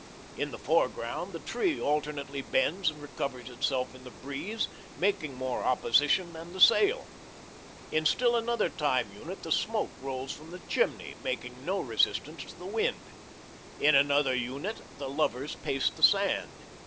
In the foreground the tree alternately bends and recovers itself in the breeze, making more opposition than the sail. In still another time unit the smoke rolls from the chimney, making no resistance to the wind. In another unit, the lovers pace the sand.